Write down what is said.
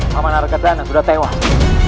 paman keluarga dana sudah tewas